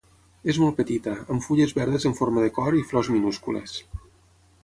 És molt petita, amb fulles verdes en forma de cor i flors minúscules.